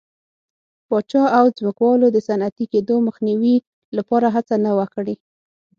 پاچا او ځمکوالو د صنعتي کېدو مخنیوي لپاره هڅه نه وه کړې.